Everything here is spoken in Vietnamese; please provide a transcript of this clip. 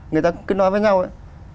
người ta cứ nói với nhau ấy